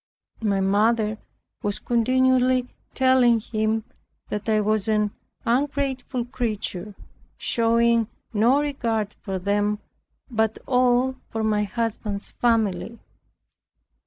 My mother was continually telling him that I was an ungrateful creature, showing no regard for them, but all for my husband's family.